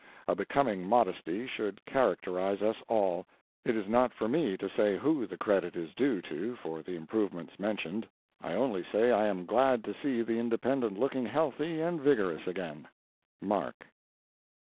A becoming modesty should characterize us all—it is not for me to say who the credit is due to for the improvements mentioned. I only say I am glad to see the Independent looking healthy and vigorous again.—MARK.